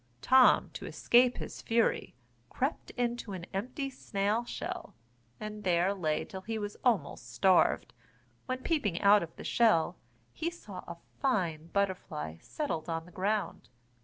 Tom, to escape his fury, crept into an empty snail shell, and there lay till he was almost starved; when peeping out of the shell, he saw a fine butterfly settled on the ground.